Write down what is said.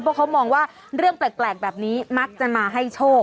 เพราะเขามองว่าเรื่องแปลกแบบนี้มักจะมาให้โชค